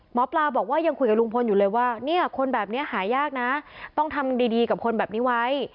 หมอปลาบอกว่ายังคุยกับลุงพลอยู่เลยว่าเนี่ยคนแบบนี้หายากนะต้องทำดีกับคนแบบนี้ไว้